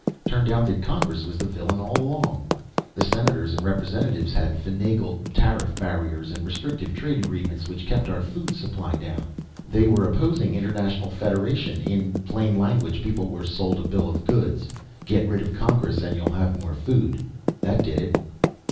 Turned out that Congress was the villain all along; the Senators and Representatives had finagled tariff barriers and restrictive trade agreements which kept our food supply down. They were opposing international federation. In plain language, people were sold a bill of goods get rid of Congress and you'll have more food. That did it."